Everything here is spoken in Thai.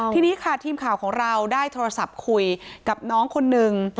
ทีนี้ค่ะทีมข่าวของเราได้โทรศัพท์คุยกับน้องคนนึง